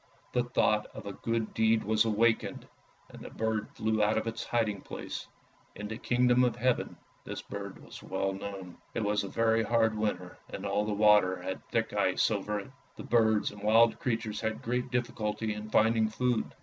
The thought of a good deed was awakened, and the bird flew out of its hiding place; in the Kingdom of Heaven this bird was well known. It was a very hard winter, and all the water had thick ice over it. The birds and wild creatures had great difficulty in finding food.